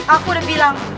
aku udah bilang